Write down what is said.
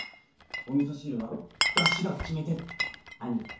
お味噌汁はだしが決め手って兄が。